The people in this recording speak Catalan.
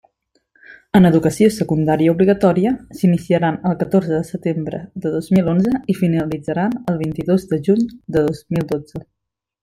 En Educació Secundària Obligatòria, s'iniciaran el catorze de setembre de dos mil onze i finalitzaran el vint-i-dos de juny de dos mil dotze.